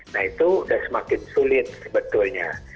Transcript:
nah itu sudah semakin sulit sebetulnya